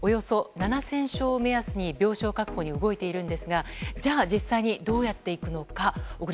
７０００床を目安に病床確保に動いているんですが実際にどうやっていくのか。